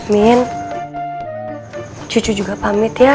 min cucu juga pamit ya